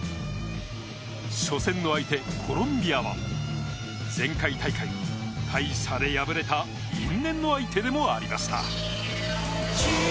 初戦の相手、コロンビアは前回大会、大差で敗れた因縁の相手でもありました。